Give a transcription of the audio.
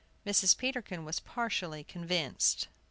Mrs. Peterkin was partially convinced.